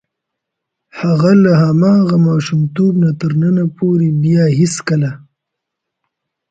هغه له هماغه ماشومتوب نه تر ننه پورې بیا هېڅکله.